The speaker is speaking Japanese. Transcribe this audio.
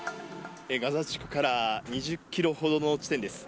ガザ地区から２０キロほどの地点です。